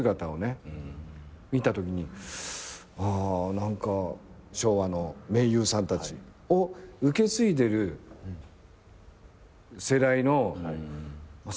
見たときに昭和の名優さんたちを受け継いでる世代の最後かなって。